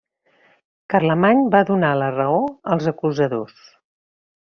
Carlemany va donar la raó als acusadors.